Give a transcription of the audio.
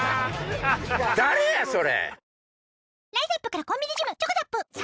誰やそれ！